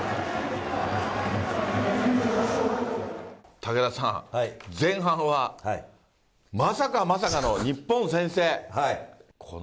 武田さん、前半はまさかまさかの日本先制。